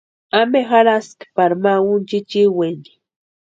¿Ampe jarhaski pari ma úni chichiweni?